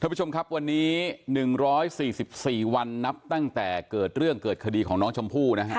ผู้ชมครับวันนี้๑๔๔วันนับตั้งแต่เกิดเรื่องเกิดคดีของน้องชมพู่นะฮะ